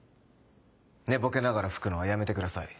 寝ぼけながら吹くのはやめてください。